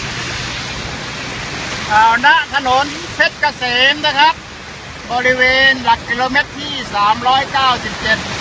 เจฟกระเสมดาวนาถนนเช็ดกระเสมบริเวณหลักกิโลเมตรที่๓๙๗บ